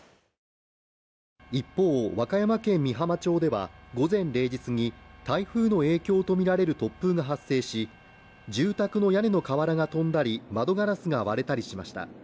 一方、和歌山県美浜町では午前０時すぎ、台風の影響とみられる突風が発生し、住宅の屋根の瓦が飛んだり、窓ガラスが割れたりしました。